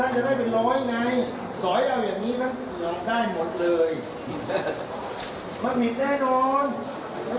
ถ้าจะได้ไปร้อยไงสอยเอาอย่างนี้ก็เหงื่อมได้หมดเลย